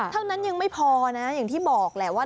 เท่านั้นยังไม่พอนะอย่างที่บอกแหละว่า